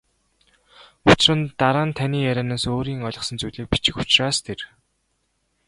Учир нь дараа нь таны ярианаас өөрийн ойлгосон зүйлийг бичих учраас тэр.